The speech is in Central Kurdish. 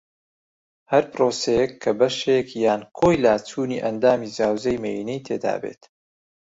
ھەر پرۆسەیەک کە بەشێک یان کۆی لاچوونی ئەندامی زاوزێی مێینەی تێدا بێت